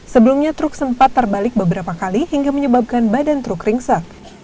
sebelumnya truk sempat terbalik beberapa kali hingga menyebabkan badan truk ringsek